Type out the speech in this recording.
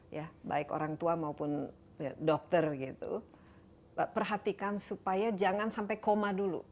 ya baik orang tua maupun dokter gitu perhatikan supaya jangan sampai koma dulu